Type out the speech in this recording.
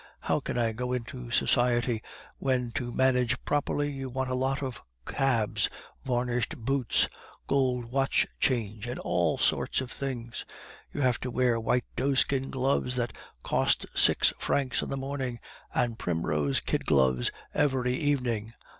How can I go into society, when to manage properly you want a lot of cabs, varnished boots, gold watch chains, and all sorts of things; you have to wear white doeskin gloves that cost six francs in the morning, and primrose kid gloves every evening?